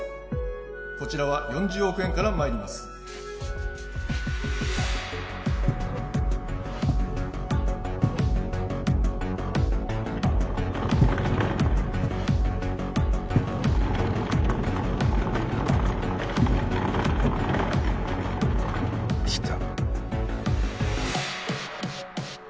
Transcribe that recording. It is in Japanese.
こちらは４０億円からまいりますきた